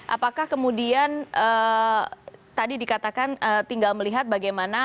apakah kemudian tadi dikatakan tinggal melihat bagaimana